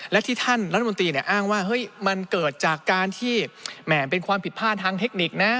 และที่ท่านรัฐมนตรีอ้างว่าเฮ้ยมันเกิดจากการที่แหม่เป็นความผิดพลาดทางเทคนิคนะ